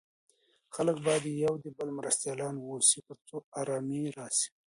خلګ بايد يو د بل مرستيالان واوسي تر څو ارامي راسي.